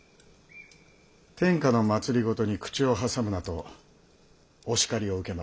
天下の政に口を挟むなとお叱りを受けましたので。